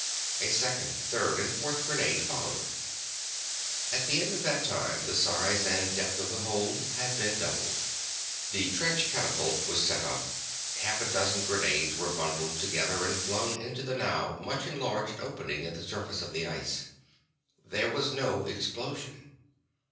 A second, third, and fourth grenade followed. At the end of that time the size and depth of the hole had been doubled. The trench catapult was set up. Half a dozen grenades were bundled together and flung into the now much enlarged opening in the surface of the ice. There was no explosion.